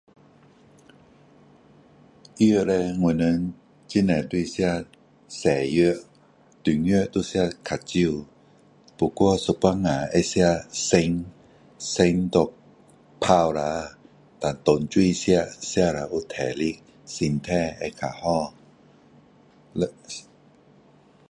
药叻我们很多都是吃西药中药要吃较少不过有时候会吃参参拿泡下然后当水喝喝了有体力身体会较好六